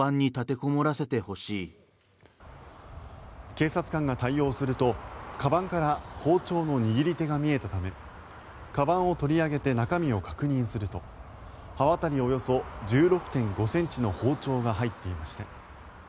警察官が対応するとかばんから包丁の握り手が見えたためかばんを取り上げて中身を確認すると刃渡りおよそ１６．５ｃｍの包丁が入っていました。